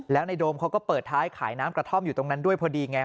แล้วในโดมเขาก็เปิดท้ายขายน้ำกระท่อมอยู่ตรงนั้นด้วยพอดีไง